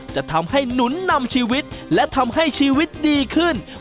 จะทำให้หนุนนำชีวิตและทำให้ชีวิตดีขึ้น